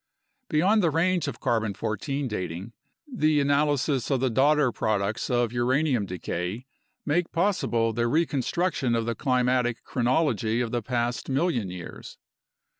Beyond the range of 14 C dating, the analysis of the daughter products of uranium decay make possible the reconstruction of the climatic chronology of the past million years.